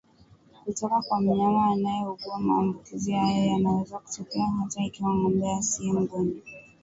kutoka kwa mnyama anayeugua Maambukizi hayo yanaweza kutokea hata ikiwa ng'ombe asiye mgonjwa